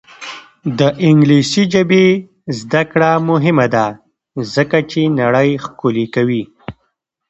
د انګلیسي ژبې زده کړه مهمه ده ځکه چې نړۍ ښکلې کوي.